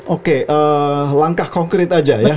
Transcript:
oke langkah konkret aja ya